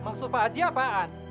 maksud pak haji apaan